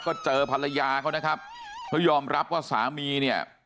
ก็เจอภรรยาเขานะครับเขายอมรับว่าสามีเนี่ย